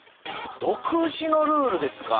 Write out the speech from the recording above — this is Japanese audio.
独自のルールですか？